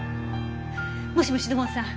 もしもし土門さん。